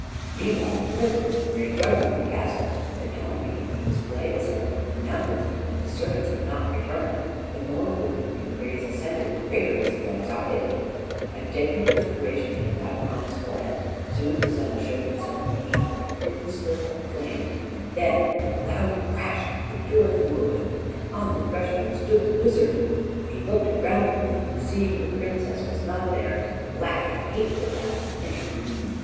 Meanwhile the prince was in great trouble in the castle. The dawn began to display itself over the mountains, and his servants had not returned; the more brilliantly the rays ascended, the greater was his anxiety; a deadly perspiration came out upon his forehead. Soon the sun showed itself in the east like a thin slip of flame and then with a loud crash the door flew open, and on the threshold stood the wizard. He looked round the room, and seeing the princess was not there, laughed a hateful laugh and entered the room.